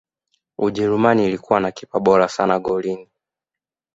ujerumani ilikuwa na kipa bora sana golini